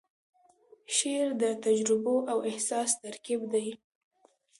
شعر د تجربو او احساس ترکیب دی.